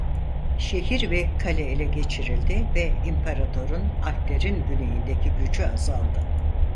Şehir ve kale ele geçirildi ve imparatorun Alplerin güneyindeki gücü azaldı.